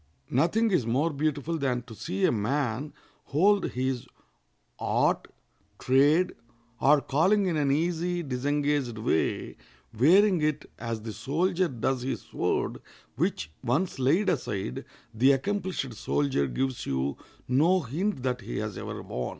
Nothing is more beautiful than to see a man hold his art, trade, or calling in an easy, disengaged way, wearing it as the soldier does his sword, which, once laid aside, the accomplished soldier gives you no hint that he has ever worn.